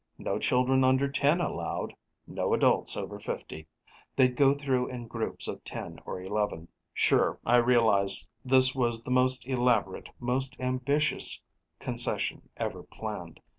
No children under ten allowed; no adults over 50. They'd go through in groups of 10 or 11. Sure, I realized this was the most elaborate, most ambitious concession ever planned.